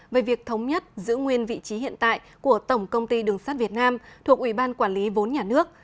về việc thống nhất giữ nguyên vị trí hiện tại của tổng công ty đường sắt việt nam thuộc ủy ban quản lý vốn nhà nước